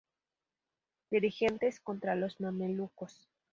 Dirigentes contra los Mamelucos